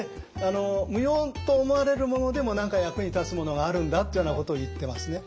無用と思われるものでも何か役に立つものがあるんだっていうようなことを言ってますね。